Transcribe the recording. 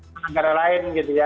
melanggar lain gitu ya